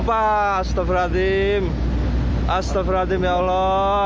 astagfirullahaladzim ya allah